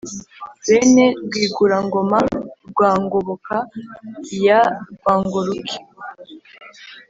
Bene Rwigurangoma rwa Ngoboka ya Rwangoruke